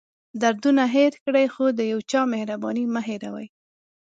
دردونه هېر کړئ خو د یو چا مهرباني مه هېروئ.